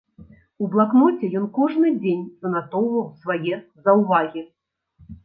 У блакноце ён кожны дзень занатоўваў свае заўвагі.